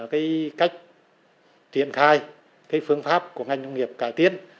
cái cách triển khai cái phương pháp của ngành nông nghiệp cải tiến